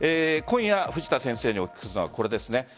今夜、藤田先生にお聞きするのはこれです。